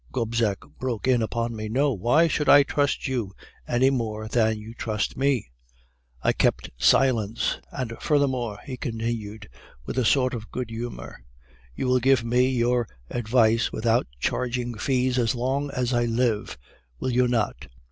Gobseck broke in upon me. 'No! Why should I trust you any more than you trust me?' "I kept silence. "'And furthermore,' he continued, with a sort of good humor, 'you will give me your advice without charging fees as long as I live, will you not?